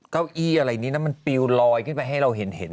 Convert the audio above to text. เก้าอี้อะไรนี้นะมันปิวลอยขึ้นไปให้เราเห็น